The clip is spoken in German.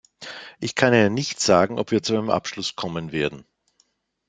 Ich kann Ihnen nicht sagen, ob wir zu einem Abschluss kommen werden.